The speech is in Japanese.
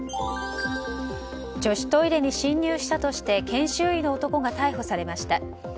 女子トイレに侵入したとして研修医の男が逮捕されました。